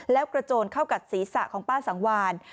แล้วกระโจนเข้ากับศีรษะของป้าสังวาน